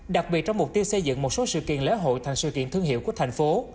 đặc biệt trong mục tiêu xây dựng một số sự kiện lễ hội thành sự kiện thương hiệu của thành phố